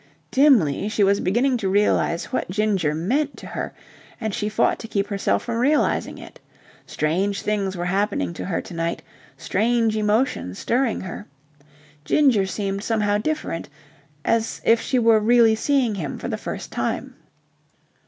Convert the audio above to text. Dimly she was beginning to realize what Ginger meant to her, and she fought to keep herself from realizing it. Strange things were happening to her to night, strange emotions stirring her. Ginger seemed somehow different, as if she were really seeing him for the first time.